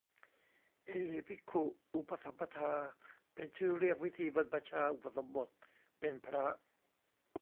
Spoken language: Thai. เอหิภิกขุอุปสัมปทา เป็นชื่อเรียกวิธีบรรพชาอุปสมบทเป็นพระ